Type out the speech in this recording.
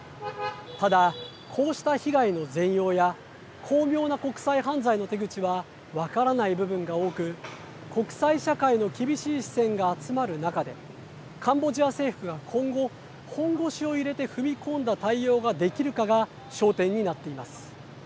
ただ、こうした被害の全容や巧妙な国際犯罪の手口は分からない部分が多く国際社会の厳しい視線が集まる中でカンボジア政府は今後本腰を入れて踏み込んだ対応ができるかが焦点になっています。